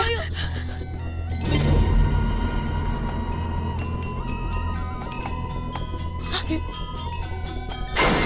itu itu kan